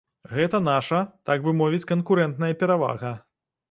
Гэта наша, так бы мовіць, канкурэнтная перавага.